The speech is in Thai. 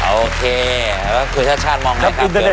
โอเคแล้วคือชาติชาติมองไงครับเรื่องตรงนี้